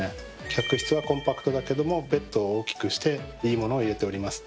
客室はコンパクトだけどもベッドを大きくしていい物を入れております。